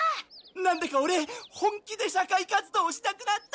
なんだかオレ本気で社会活動したくなった！